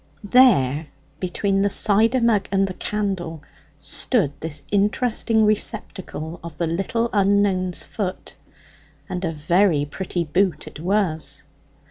There, between the cider mug and the candle, stood this interesting receptacle of the little unknown's foot; and a very pretty boot it was.